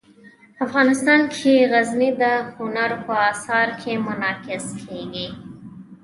افغانستان کې غزني د هنر په اثار کې منعکس کېږي.